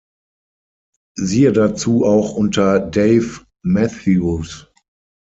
Siehe dazu auch unter Dave Matthews